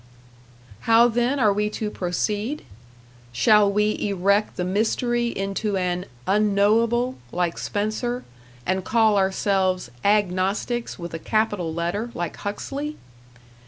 How then are we to proceed? Shall we erect the mystery into an Unknowable, like Spencer, and call ourselves Agnostics with a capital letter, like Huxley?